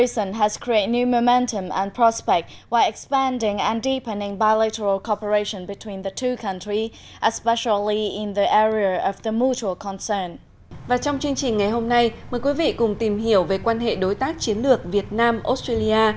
và trong chương trình ngày hôm nay mời quý vị cùng tìm hiểu về quan hệ đối tác chiến lược việt nam australia